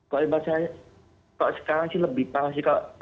kalau sekarang sih lebih parah sih